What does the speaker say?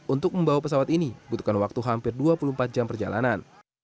untuk membawa pesawat ini butuhkan waktu hampir dua puluh empat jam perjalanan